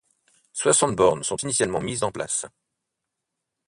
Soixante bornes sont initialement mises en place.